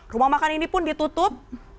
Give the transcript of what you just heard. rumah makan ini pun ditutup